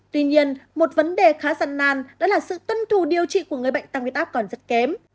tuy nhiên một vấn đề khá giăn nan đó là sự tuân thủ điều trị của người bệnh tăng huyết áp còn rất kém